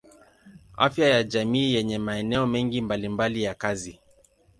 Afya ya jamii yenye maeneo mengi mbalimbali ya kazi.